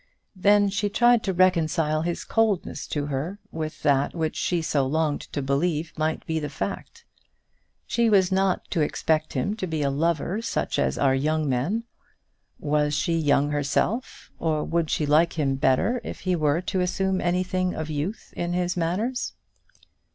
Then she tried to reconcile his coldness to her with that which she so longed to believe might be the fact. She was not to expect him to be a lover such as are young men. Was she young herself, or would she like him better if he were to assume anything of youth in his manners?